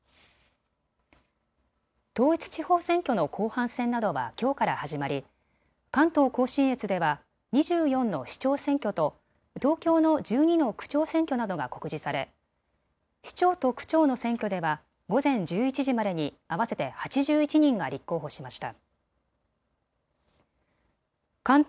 統一地方選挙の後半戦などはきょうから始まり関東甲信越では２４の市長選挙と東京の１２の区長選挙などが告示され市長と区長の選挙では午前１１時までに合わせて８１人が立候補しました。